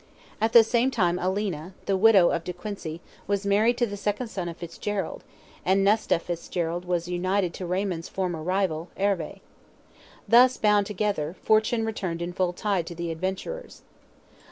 At the same time Alina, the widow of de Quincy, was married to the second son of Fitzgerald, and Nesta Fitzgerald was united to Raymond's former rival, Herve. Thus, bound together, fortune returned in full tide to the adventurers.